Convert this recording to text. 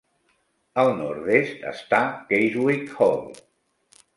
Al nord-est està Casewick Hall.